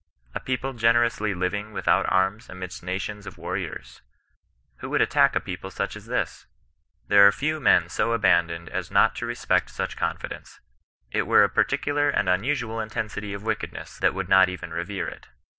A people generously living without arms amidst nations of war riors ! Who would attack a people such as this ] There arc few men so abandoned as not to respect such confi dence. It were a peculiar and an unusual intensity of wickedness that would not even revere it.